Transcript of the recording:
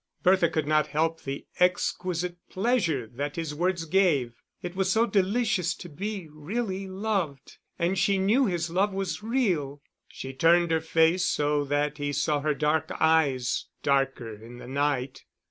Bertha could not help the exquisite pleasure that his words gave: it was so delicious to be really loved, and she knew his love was real. She turned her face, so that he saw her dark eyes, darker in the night.